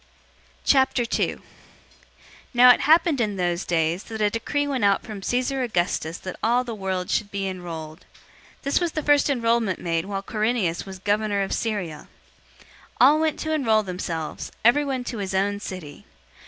002:001 Now it happened in those days, that a decree went out from Caesar Augustus that all the world should be enrolled. 002:002 This was the first enrollment made when Quirinius was governor of Syria. 002:003 All went to enroll themselves, everyone to his own city.